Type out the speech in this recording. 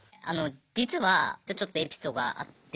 実はちょっとエピソードがあって。